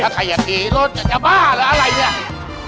ถ้าใครอยากขี่รถจะบ้าหรืออะไรเนี่ย